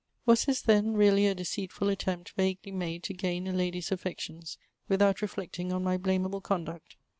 Was this, then, really a deceitful attempt vaguely made to gain a lady's affections, without reflecting on my blameable conduct